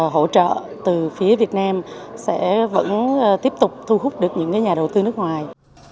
hỗ trợ từ phía việt nam sẽ vẫn tiếp tục thu hút được những nhà đầu tư nước ngoài